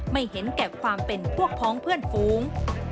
ไม่เห็นแก่ความเป็นพวกพ้องเพื่อนฝูง